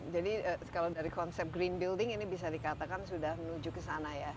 jadi kalau dari konsep green building ini bisa dikatakan sudah menuju ke sana ya